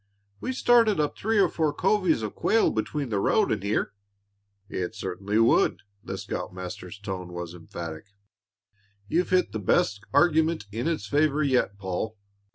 "We started up three or four covies of quail between the road and here." "It certainly would!" The scoutmaster's tone was emphatic. "You've hit the best argument in its favor yet, Paul.